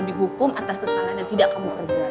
dihukum atas kesalahan ya kakak aja bingung oh ya